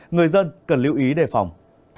người dân cần lưu ý đề phòng